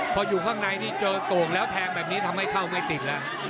พออยู่ข้างในนี่เจอโก่งแล้วแทงแบบนี้ทำให้เข้าไม่ติดแล้ว